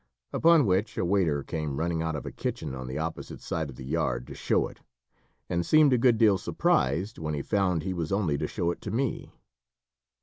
upon which a waiter came running out of a kitchen on the opposite side of the yard to show it, and seemed a good deal surprised when he found he was only to show it to me.